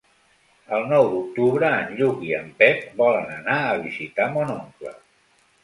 El nou d'octubre en Lluc i en Pep volen anar a visitar mon oncle.